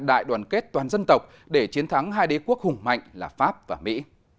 đại đoàn kết toàn dân tộc để chiến thắng hai đế quốc hùng mạnh là pháp và mỹ